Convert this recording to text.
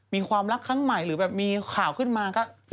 มีความรักซังใหม่หรือแบบมีข่าวขึ้นมาก็กลายเป็นกลุ่น